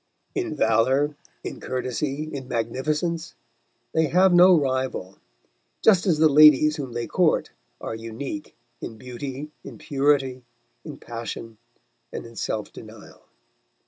In valour, in courtesy, in magnificence they have no rival, just as the ladies whom they court are unique in beauty, in purity, in passion, and in self denial.